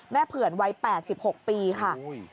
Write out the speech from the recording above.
เผื่อนวัย๘๖ปีค่ะ